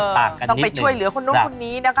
ต้องไปช่วยเหลือคนนู้นคนนี้นะคะ